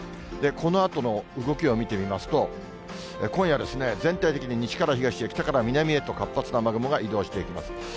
このあとの動きを見てみますと、今夜、全体的に西から東へ、北から南へと活発な雨雲が移動していきます。